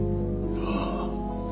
ああ。